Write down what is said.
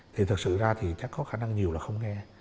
thì thật sự ra thì chắc có khả năng nhiều là không nghe